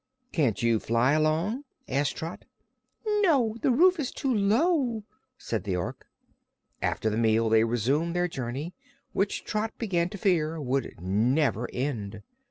"Can't you fly along?" asked Trot. "No; the roof is too low," said the Ork. After the meal they resumed their journey, which Trot began to fear would never end.